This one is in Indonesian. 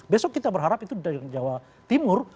besok kita berharap itu dari jawa timur